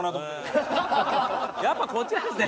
やっぱこっちなんですね。